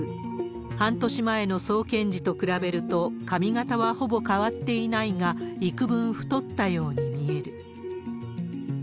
半年前の送検時と比べると、髪形はほぼ変わっていないが、いくぶん太ったように見える。